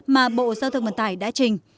mà bộ giao thông vận tải đã trình